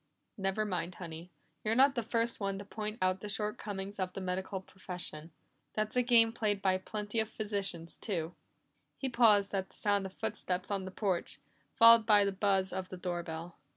"Never mind, Honey. You're not the first one to point out the shortcomings of the medical profession. That's a game played by plenty of physicians too." He paused at the sound of footsteps on the porch, followed by the buzz of the doorbell.